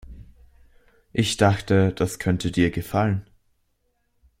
Ich dachte, das könnte dir gefallen.